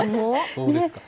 そうですか。